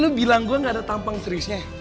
lu bilang gue gak ada tampang krisisnya